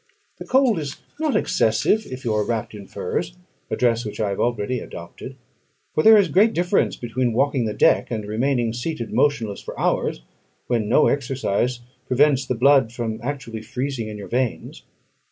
The cold is not excessive, if you are wrapped in furs, a dress which I have already adopted; for there is a great difference between walking the deck and remaining seated motionless for hours, when no exercise prevents the blood from actually freezing in your veins.